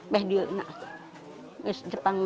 pada zaman jepang